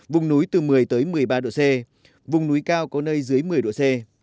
vùng núi từ một mươi một mươi ba độ c vùng núi cao có nơi dưới một mươi độ c